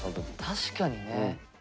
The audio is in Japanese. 確かにね。